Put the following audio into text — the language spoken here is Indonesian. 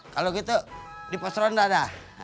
kalau gitu di posron gak ada